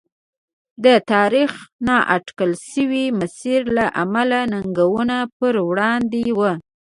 د تاریخ نااټکل شوي مسیر له امله ننګونو پر وړاندې و.